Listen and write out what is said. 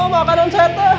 makanan saya teh